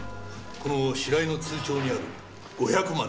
この白井の通帳にある５００万の出どころ。